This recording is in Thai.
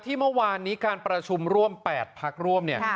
เมื่อวานนี้การประชุมร่วม๘พักร่วมเนี่ย